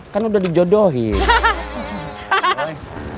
kan udah dijodohin